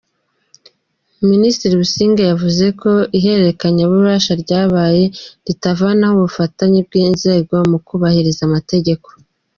Minisitiri Busingye yavuze ko ihererekanyabubasha ryabaye ritavanaho ubufatanye bw’inzego mu kubahiriza amategeko.